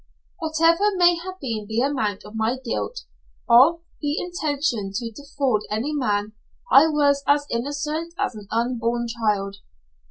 Whatever may have been the amount of my guilt, of the intention to defraud any man I was as innocent as an unborn child.